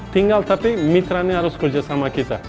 tinggal tapi mitra ini harus kerja sama kita